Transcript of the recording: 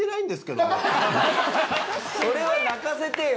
それは鳴かせてよ！